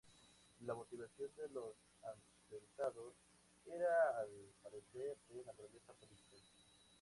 La motivación de los atentados era al parecer de naturaleza política.